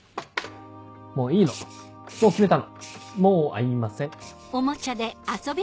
もういいのもう決めたのもう会いません。